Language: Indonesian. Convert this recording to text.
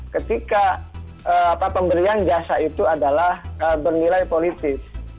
ketika pemberian jasa itu adalah bernilai politis